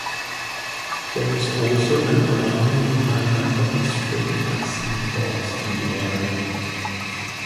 There is also an alarmingly high number stray cats and dogs in the area.